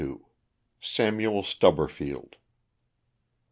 Kan. SAMUEL STUBBERFIELD.